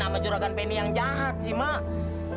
sama juragan penny yang jahat sih mak